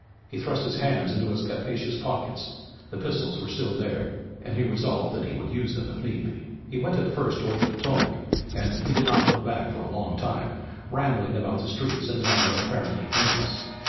He thrust his hands into his capacious pockets. The pistols were still there, and he resolved that he would use them if need be. He went at first toward the Potomac, and he did not look back for a long time, rambling about the streets in a manner apparently aimless.